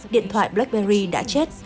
điện thoại blackberry đã chết